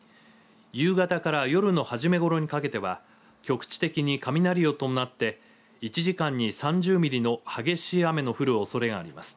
夕方から夜の初めごろにかけては局地的に雷を伴って１時間に３０ミリの激しい雨の降るおそれがあります。